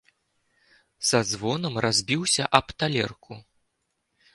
Са звонам разбіўся аб талерку.